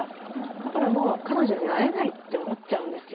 だからもう彼女には会えないって思っちゃうんですよ。